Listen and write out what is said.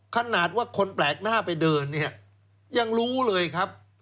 ขนาดว่าคนแปลกหน้าไปเดินเนี่ยยังรู้เลยครับ